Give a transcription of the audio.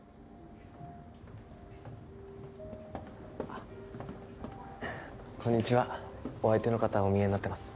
あっこんにちはお相手の方おみえになってます